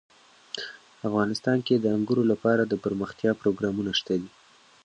افغانستان کې د انګورو لپاره دپرمختیا پروګرامونه شته دي.